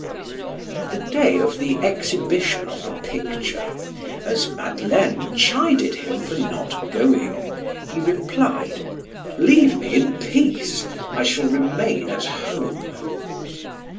The day of the exhibition of the picture, as Madeleine chided him for not going, he replied: "Leave me in peace. I shall remain at home."